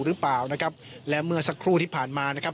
หรือเปล่านะครับและเมื่อสักครู่ที่ผ่านมานะครับ